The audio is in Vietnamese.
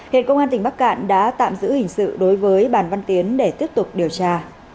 hiện công an tỉnh bắc cạn đã tạm giữ hình sự đối với bàn văn tiến để tiếp tục điều tra